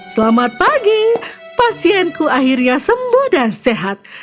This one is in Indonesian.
selamat pagi pasienku akhirnya sembuh dan sehat